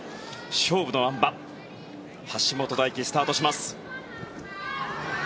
勝負のあん馬橋本大輝、スタートします。